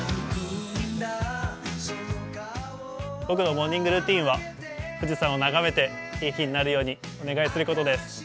僕のモーニングルーチンは富士山を眺めていい日になるようにお願いすることです。